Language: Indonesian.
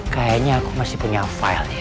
kayaknya aku masih punya file